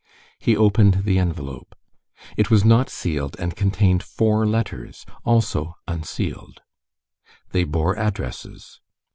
He opened the envelope. It was not sealed and contained four letters, also unsealed. They bore addresses.